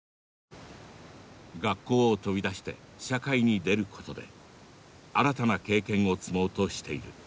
学校を飛び出して社会に出ることで新たな経験を積もうとしている。